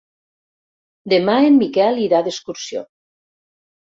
Demà en Miquel irà d'excursió.